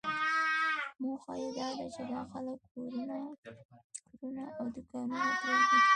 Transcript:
موخه یې داده چې دا خلک کورونه او دوکانونه پرېږدي.